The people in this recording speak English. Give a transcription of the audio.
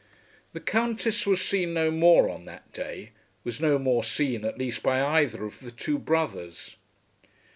The Countess was seen no more on that day, was no more seen at least by either of the two brothers.